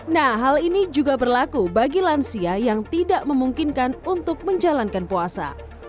nah hal ini juga berlaku bagi lansia yang tidak memungkinkan untuk menjalankan puasa